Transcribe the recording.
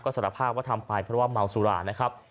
สารภาพว่าทำไปเพราะว่าเมาสุรานะครับ